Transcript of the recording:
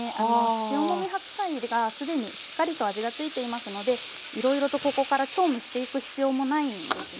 塩もみ白菜が既にしっかりと味が付いていますのでいろいろとここから調味していく必要もないんですね。